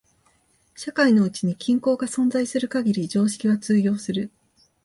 社会のうちに均衡が存在する限り常識は通用する。